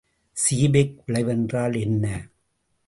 Seebeck விளைவு என்றால் என்ன?